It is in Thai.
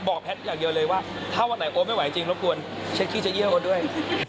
แพทย์อย่างเดียวเลยว่าถ้าวันไหนโอ๊ตไม่ไหวจริงรบกวนเช็คขี้จะเยี่ยวโอ๊ตด้วย